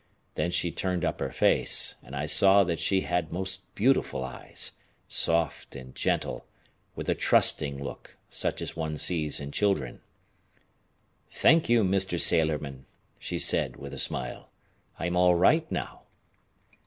Then she turned up her face, and I saw that she had most beautiful eyes, soft and gentle, with a trusting look, such as one sees in children. "Thank you, Mr. Sailorman," she said, with a smile. "I'm all right now."